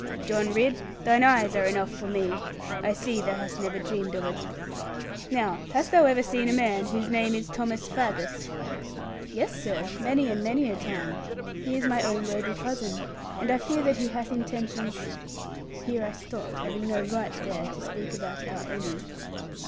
'John Ridd, thine eyes are enough for me. I see thou hast never dreamed of it. Now hast thou ever seen a man whose name is Thomas Faggus?' 'Yes, sir, many and many a time. He is my own worthy cousin; and I fear he that hath intentions' here I stopped, having no right there to speak about our Annie.